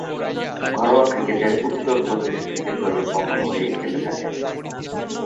ঘরোয়া ক্রিকেটে উত্তর প্রদেশ ক্রিকেট দলের পক্ষ হয়ে খেলে থাকেন।